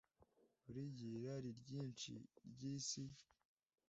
Buri gihe irari ryinshi ryisi.